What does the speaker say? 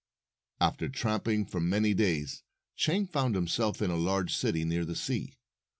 After tramping for many days, Chang found himself in a large city near the sea.